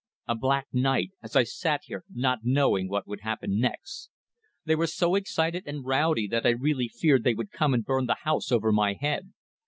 A black night as I sat here not knowing what would happen next. They were so excited and rowdy that I really feared they would come and burn the house over my head.